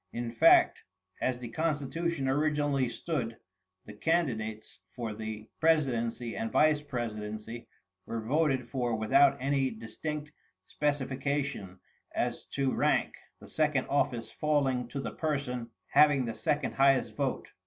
In fact, as the constitution originally stood, the candidates for the presidency and vice presidency were voted for without any distinct specification as to rank, the second office falling to the person having the second highest vote.